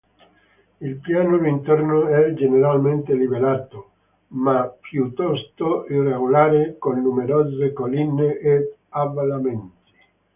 Il pianoro interno è generalmente livellato, ma piuttosto irregolare, con numerose colline ed avvallamenti.